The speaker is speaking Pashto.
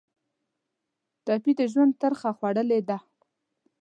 ټپي د ژوند ترخه خوړلې ده.